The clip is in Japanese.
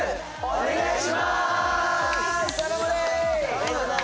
お願いします。